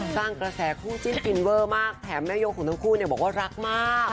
สร้างกระแสคู่จิ้นฟินเวอร์มากแถมแม่ยกของทั้งคู่บอกว่ารักมาก